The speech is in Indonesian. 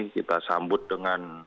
kita sambut dengan